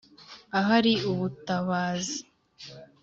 ahari ubutabazi